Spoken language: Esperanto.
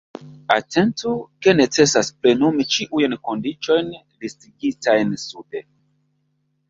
Atentu, ke necesas plenumi ĉiujn kondiĉojn listigitajn sube.